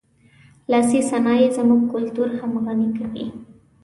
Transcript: لاسي صنایع زموږ کلتور هم غني کوي.